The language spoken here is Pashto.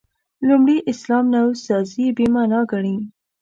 لومړي اسلام نوسازي «بې معنا» ګڼي.